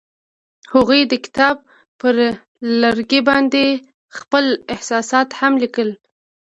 هغوی د کتاب پر لرګي باندې خپل احساسات هم لیکل.